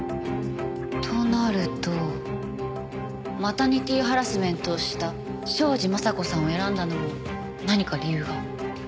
となるとマタニティハラスメントをした庄司雅子さんを選んだのも何か理由が。